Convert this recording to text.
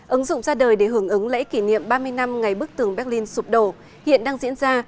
ứng dụng ra đời để hưởng ứng lễ kỷ niệm ba mươi năm ngày bức tường berlin sụp đổ hiện đang diễn ra